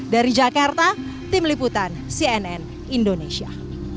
dari jakarta tim liputan cnn indonesia